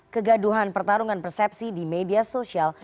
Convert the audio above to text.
kegaduhan pertarungan persepsi di media sosial